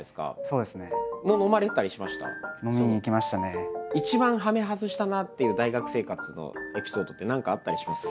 ちょっと一番はめ外したなあっていう大学生活のエピソードって何かあったりします？